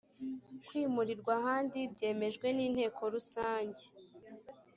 kwimurirwa ahandi byemejwe n inteko rusange